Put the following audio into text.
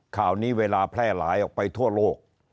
ข่าวนี้เวลาแพร่หลายออกไปทั่วโลก